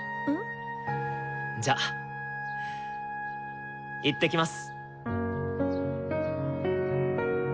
じゃ行ってきます！